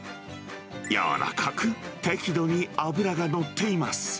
やわらかく適度に脂が乗っています。